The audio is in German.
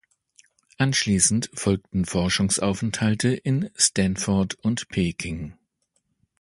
Anschließend folgten Forschungsaufenthalte in Stanford und Peking.